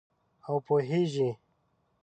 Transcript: او پوهیږې